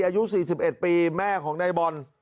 อายุสี่สิบเอ็ดปีแม่ของในบอล